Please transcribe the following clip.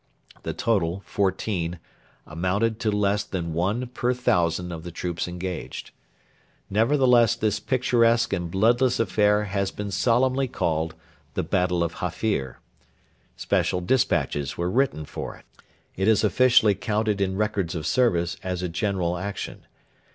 The total fourteen amounted to less than one per thousand of the troops engaged. Nevertheless this picturesque and bloodless affair has been solemnly called the 'Battle of Hafir.' Special despatches were written for it. It is officially counted in records of service as a 'general action.'